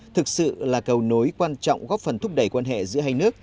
thực sự là cầu nối quan trọng góp phần thúc đẩy quan hệ giữa hai nước